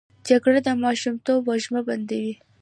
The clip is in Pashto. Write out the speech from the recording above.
جګړه د ماشومتوب وږمه بندوي